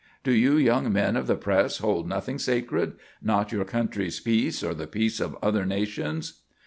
Do you young men of the press hold nothing sacred? Not your country's peace or the peace of other nations?"